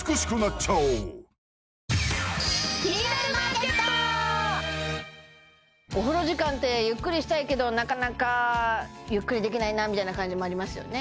ちゃおうお風呂時間ってゆっくりしたいけどなかなかゆっくりできないなみたいな感じもありますよね